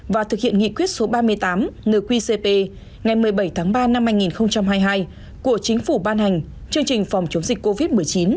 và thực hiện nghị quyết số ba mươi tám nqcp ngày một mươi bảy tháng ba năm hai nghìn hai mươi hai của chính phủ ban hành chương trình phòng chống dịch covid một mươi chín